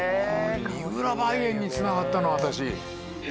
三浦梅園につながったのは私。